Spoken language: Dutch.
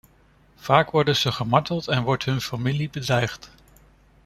Vaak worden ze gemarteld en wordt hun familie bedreigd.